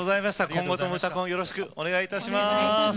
今後とも「うたコン」よろしくお願いいたします。